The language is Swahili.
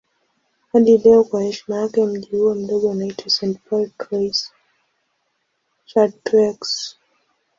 Hadi leo kwa heshima yake mji huo mdogo unaitwa St. Paul Trois-Chateaux.